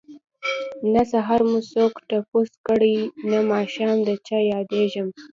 نه سحر مو څوک تپوس کړي نه ماښام ده چه ياديږم